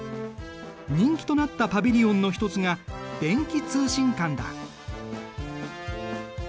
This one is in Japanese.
人気となったパビリオンの一つが電気通信館だ。